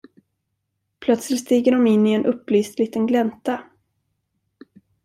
Plötsligt stiger dom in i en upplyst liten glänta.